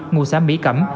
ngụ xã mỹ cẩm